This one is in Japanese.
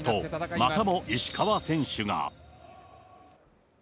またも石川選手が。